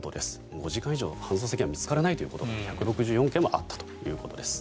５時間以上搬送先が見つからないというのが１６４件もあったということです。